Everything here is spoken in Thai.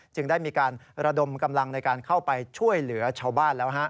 ได้มีการระดมกำลังในการเข้าไปช่วยเหลือชาวบ้านแล้ว